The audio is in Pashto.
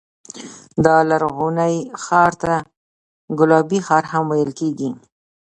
دا لرغونی ښار ته ګلابي ښار هم ویل کېږي.